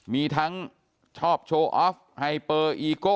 มีทั้งชอบโชว์ออฟไฮเปอร์อีโก้